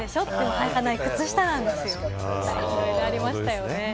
いろいろありましたよね。